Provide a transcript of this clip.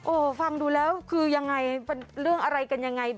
โอ้โหฟังดูแล้วคือยังไงเรื่องอะไรกันยังไง